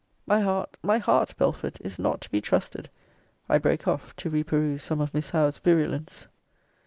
My heart, my heart, Belford, is not to be trusted I break off, to re peruse some of Miss Howe's virulence.